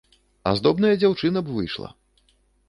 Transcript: Аздобная дзяўчына б выйшла.